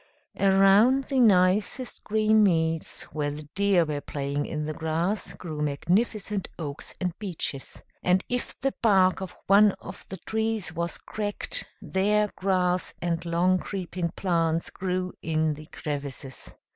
Around the nicest green meads, where the deer were playing in the grass, grew magnificent oaks and beeches; and if the bark of one of the trees was cracked, there grass and long creeping plants grew in the crevices.